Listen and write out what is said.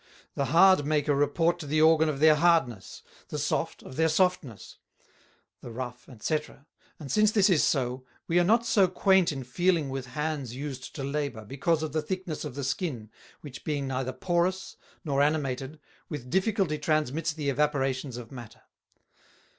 The Hard make a report to the Organ of their Hardness; the Soft, of their Softness; the Rough, &c. And since this is so, we are not so quaint in Feeling with Hands used to Labour, because of the Thickness of the Skin, which being neither porous, nor animated, with difficulty transmits the Evaporations of Matter.